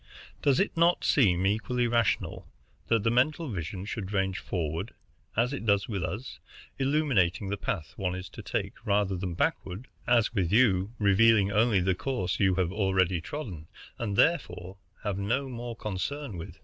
Does it not seem equally rational that the mental vision should range forward, as it does with us, illuminating the path one is to take, rather than backward, as with you, revealing only the course you have already trodden, and therefore have no more concern with?